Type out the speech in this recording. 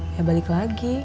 ya balik lagi